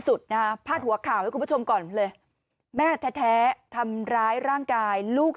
สุดนะฮะพาดหัวข่าวให้คุณผู้ชมก่อนเลยแม่แท้ทำร้ายร่างกายลูก